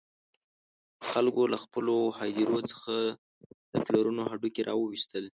خلکو له خپلو هدیرو څخه د پلرونو هډوکي را وویستل.